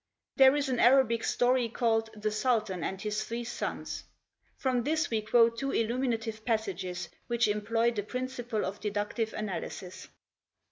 There is an Arabic story, called "The Sultan and his Three Sons." From this we quote two illuminative passages which employ the principle of deductive analysis.